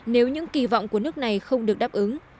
nếu những kỳ vọng của nước này không được đáp ứng